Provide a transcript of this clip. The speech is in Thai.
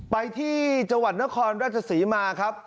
ไปที่จังหวัดนครราชศรีมาครับ